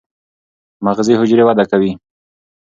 مغزي حجرې وده کوي.